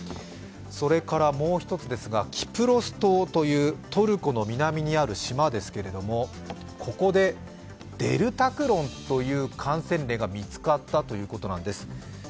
それからもう一つですがキプロス島というトルコの南にある島ですけどここでデルタクロンという感染例が見つかったということなんです。